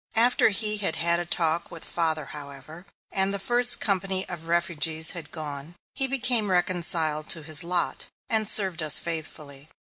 After he had had a talk with father, however, and the first company of refugees had gone, he became reconciled to his lot, and served us faithfully.